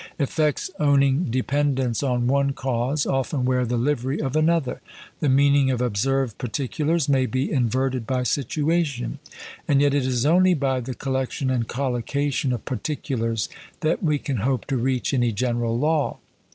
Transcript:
Effects owning dependence on one cause often wear the livery of another; the meaning of observed particulars may be inverted by situation; and yet it is only by the collection and collocation of particulars that we can hope to reach any general law.